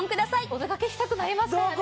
お出かけしたくなりますからね